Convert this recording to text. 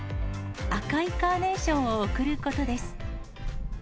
赤いカーネーションを贈ることです。